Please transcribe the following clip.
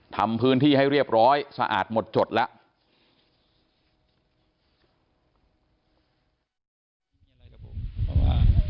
ทำพื้นที่ให้เรียบร้อยสะอาดหมดจดแล้ว